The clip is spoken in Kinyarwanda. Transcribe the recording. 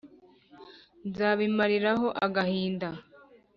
nzabimariraho agahinda,